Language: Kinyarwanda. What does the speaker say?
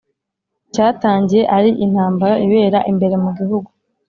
cyatangiye ari intambara ibera imbere mu gihugu.